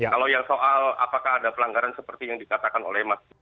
kalau yang soal apakah ada pelanggaran seperti yang dikatakan oleh mas